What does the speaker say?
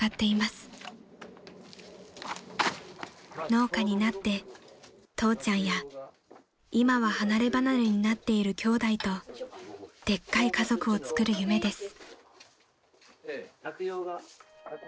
［農家になって父ちゃんや今は離れ離れになっているきょうだいとでっかい家族をつくる夢です］